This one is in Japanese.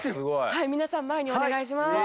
はい皆さん前にお願いします。